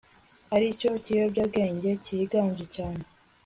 aricyo kiyobyabwenge kiganje cyane